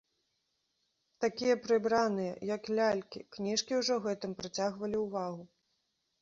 Такія прыбраныя, як лялькі, кніжкі ўжо гэтым прыцягвалі ўвагу.